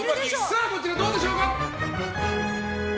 こちら、どうでしょうか？